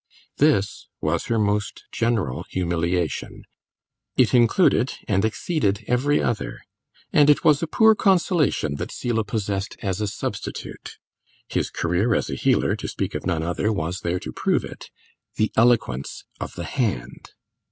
This was her most general humiliation; it included and exceeded every other, and it was a poor consolation that Selah possessed as a substitute his career as a healer, to speak of none other, was there to prove it the eloquence of the hand.